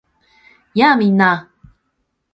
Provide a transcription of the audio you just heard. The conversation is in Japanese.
やあ！みんな